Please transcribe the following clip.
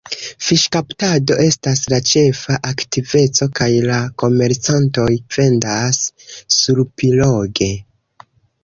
Fiŝkaptado estas la ĉefa aktiveco kaj la komercantoj vendas surpiroge.